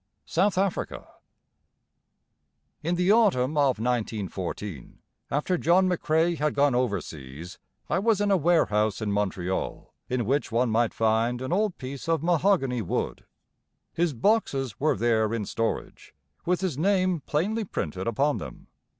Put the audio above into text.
South Africa In the Autumn of 1914, after John McCrae had gone over seas, I was in a warehouse in Montreal, in which one might find an old piece of mahogany wood. His boxes were there in storage, with his name plainly printed upon them.